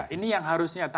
ini yang harusnya